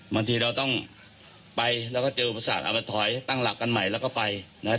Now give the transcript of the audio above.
บางทีเราต้องไปแล้วก็เจออุปสรรคเอามาถอยตั้งหลักกันใหม่แล้วก็ไปนะครับ